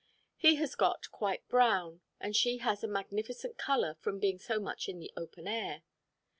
He has got quite brown, and she has a magnificent colour from being so much in the open air.